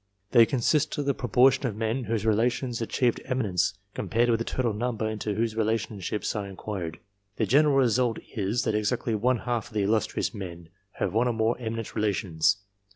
They consist of the proportion of men whose relations achieved eminence, compared with the total number inta whose relationships I inquired. The general result * is^hat exactly one half of the illus trious men have one or more eminent relations.